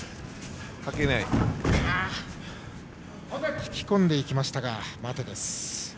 引き込んでいきましたが待てです。